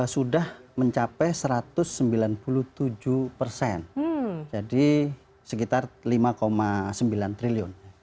sudah mencapai satu ratus sembilan puluh tujuh persen jadi sekitar rp lima sembilan triliun